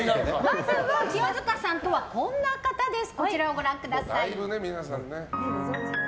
まずは清塚さんとはこんな方です。